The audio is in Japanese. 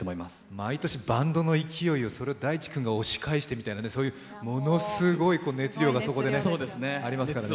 毎年バンドの勢いを、大知君が押し返してというものすごい熱量が、そこでありますけどね。